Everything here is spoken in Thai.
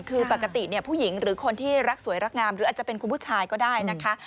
คือปกติผู้หญิงหรือคนที่รักสวยรักงามหรืออาจจะเป็นคุณผู้ชายก็ได้นะคะ